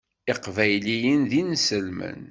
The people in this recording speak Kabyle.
Iqbayliyen d inselmen.